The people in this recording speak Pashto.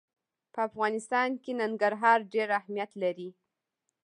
په افغانستان کې ننګرهار ډېر اهمیت لري.